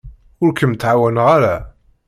Ur kem-ttɛawaneɣ ara.